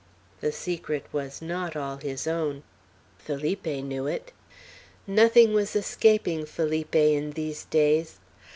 The secret was not all his own. Felipe knew it. Nothing was escaping Felipe in these days.